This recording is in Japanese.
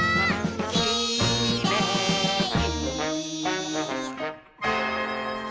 「きれい」